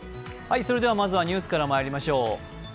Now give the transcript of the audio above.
まずはニュースからまいりましょう。